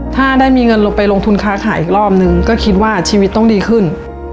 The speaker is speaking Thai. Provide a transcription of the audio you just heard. ถ้าได้มีเงินลงไปลงทุนค้าขายอีกรอบนึงก็คิดว่าชีวิตต้องดีขึ้น